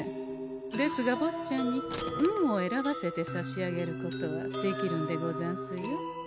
ですがぼっちゃんに運を選ばせてさしあげることはできるんでござんすよ。